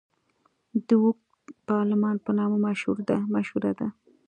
د اوږد پارلمان په نامه مشهوره ده.